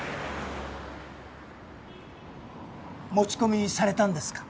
持ち込みされたんですか？